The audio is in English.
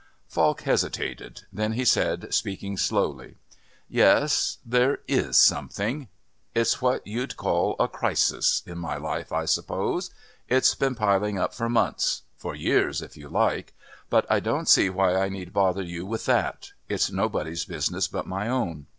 Falk hesitated; then he said, speaking slowly, "Yes, there is something. It's what you'd call a crisis in my life, I suppose. It's been piling up for months for years if you like. But I don't see why I need bother you with that it's nobody's business but my own.